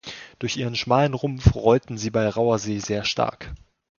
Durch ihren schmalen Rumpf rollten sie bei rauer See sehr stark.